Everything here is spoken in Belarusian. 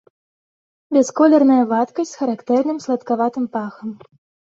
Бясколерная вадкасць з характэрным саладкаватым пахам.